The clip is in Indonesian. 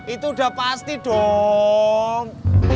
itu udah pasti dom